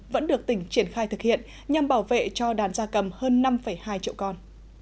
vẫn được tỉnh triển khai thực hiện nhằm bảo vệ cho đàn gia cầm hơn năm hai triệu con